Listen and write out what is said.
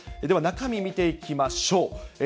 では、中身見ていきましょう。